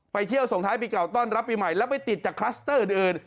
เที่ยวส่งท้ายปีเก่าต้อนรับปีใหม่แล้วไปติดจากคลัสเตอร์อื่น